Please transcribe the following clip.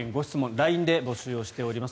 ＬＩＮＥで募集しています。